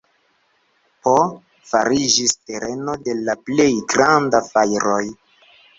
P. fariĝis tereno de la plej grandaj fajroj.